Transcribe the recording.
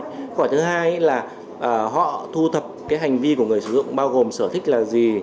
khỏi thứ hai là họ thu thập cái hành vi của người sử dụng bao gồm sở thích là gì